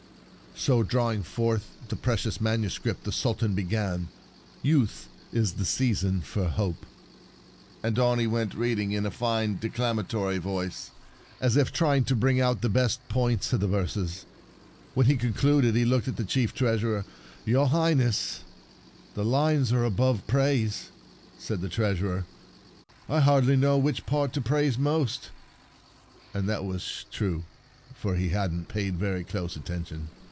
So, drawing forth the pre cious manuscript, the Sultan began, " Youth is the season for hope," and on he went, reading in a fine declamatory voice, as if trying to bring out the best points in the verses. When he concluded he looked at the Chief Treasurer. Your Highness, the lines A Sly Reply (( Verses 63 are above praise," said the Treasurer. " I hardly know which part to praise most." (And that was true, for he Another Whopper hadn't paid very close atten tion.)